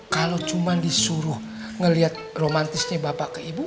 kalo cuman disuruh ngeliat romantisnya bapak ke ibu